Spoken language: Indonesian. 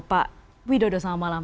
pak widodo selamat malam